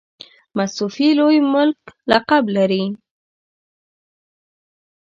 مستوفي لوی ملک لقب لري.